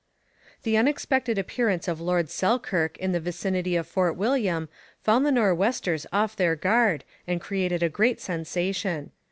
] The unexpected appearance of Lord Selkirk in the vicinity of Fort William found the Nor'westers off their guard and created a great sensation.